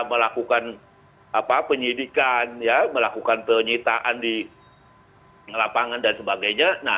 melakukan penyidikan melakukan penyitaan di lapangan dan sebagainya